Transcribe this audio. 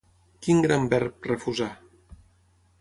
Quin gran verb, "refusar"!